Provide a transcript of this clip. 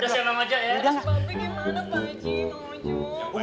bapak gimana pak ji bang ojo